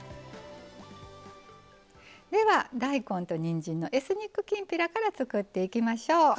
では大根とにんじんのエスニックきんぴらから作っていきましょう。